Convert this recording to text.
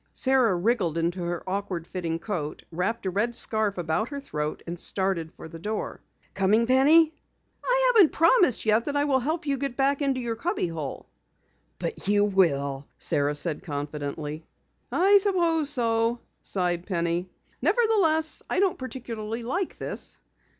Sara wriggled into her awkward fitting coat, wrapped a red scarf about her throat and started for the door. "Coming, Penny?" "I haven't promised yet that I will help you get back into your cubby hole." "But you will," said Sara confidently. "I suppose so," sighed Penny. "Nevertheless, I don't particularly like this."